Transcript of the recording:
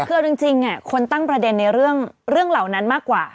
คือเอาจริงคนตั้งประเด็นในเรื่องเหล่านั้นมากกว่า